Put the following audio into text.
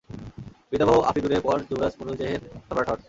পিতামহ আফরীদূনের পর যুবরাজ মনুচেহের সম্রাট হন।